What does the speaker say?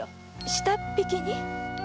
下っ引きに？